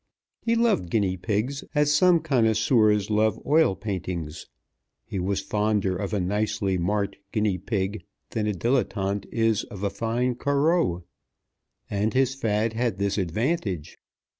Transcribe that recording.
He loved guinea pigs as some connoisseurs love oil paintings. He was fonder of a nicely marked guinea pig than a dilettante is of a fine Corot. And his fad had this advantage.